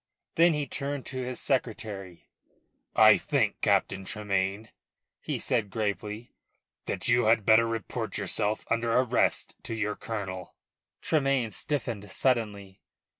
Then he turned to his secretary. "I think, Captain Tremayne," he said gravely, "that you had better report yourself under arrest to your colonel." Tremayne stiffened suddenly.